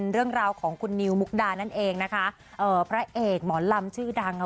เรื่องราวของคุณนิวมุกดานั่นเองนะคะเอ่อพระเอกหมอลำชื่อดังค่ะ